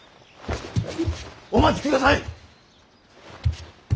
お待ちください！